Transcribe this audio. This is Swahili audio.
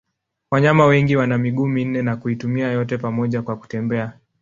Wanyama wengi wana miguu minne na kuitumia yote pamoja kwa kutembea.